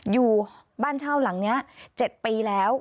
อยู่บ้านเช่าหลังนี้๗ปีแล้ว